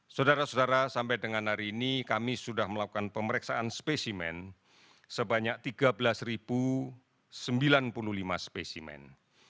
saudara saudara sampai dengan hari ini kami sudah melakukan pemeriksaan spesimen sebanyak tiga belas sembilan puluh lima spesimen